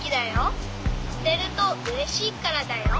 あてるとうれしいからだよ。